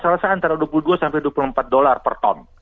selesai antara dua puluh dua dua puluh empat dolar per ton